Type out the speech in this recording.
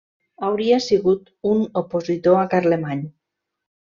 Hauria sigut un opositor a Carlemany.